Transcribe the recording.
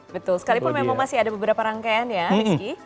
betul sekalipun memang masih ada beberapa rangkaian ya rizky